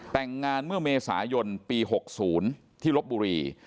แต่งงานเมื่อเมษายนปี๖๐ที่ลบบุรี